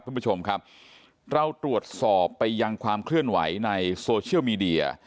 คุณผู้ชมครับเราตรวจสอบไปยังความเคลื่อนไหวในโซเชียลมีเดีย